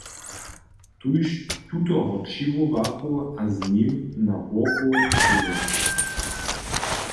Tuž tutoho přiwołachu a z nim na hórku ćehnjechu.